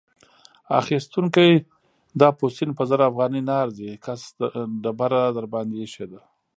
اخيستونکی: دا پوستین په زر افغانۍ نه ارزي؛ کس ډبره درباندې اېښې ده.